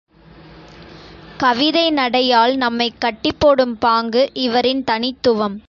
கவிதை நடையால் நம்மைக் கட்டிப்போடும் பாங்கு இவரின் தனித்துவம்.